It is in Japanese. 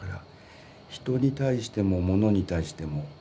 人に対してもものに対しても。